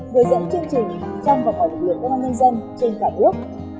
hướng dẫn chương trình trong và ngoài lực lượng công an nhân dân trên cả nước